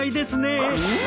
うん？